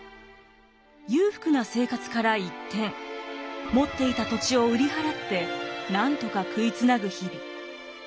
裕福な生活から一転持っていた土地を売り払ってなんとか食いつなぐ日々。